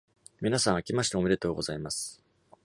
皆さん、明けましておめでとうございます。